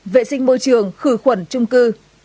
vệ sinh môi trường khử khuẩn trung cư